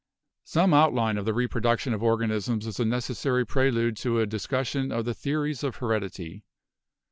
Some outline of the reproduction of organisms is a nec essary prelude to a discussion of the theories of heredity.